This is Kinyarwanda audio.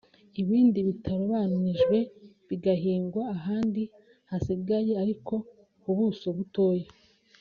ibindi bitatoranyijwe bigahingwa ahandi hasigaye ariko ku buso butoya